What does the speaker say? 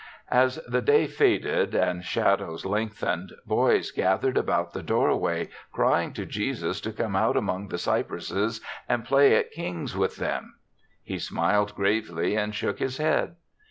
As the day faded and shadows lengthened, boys gathered about the doorway, crying to Jesus to come out among the cypresses and play at "kings" with them. He smiled gravely and shook his head.